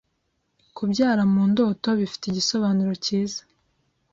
Kubyara mu ndoto bifite igisobanuro cyiza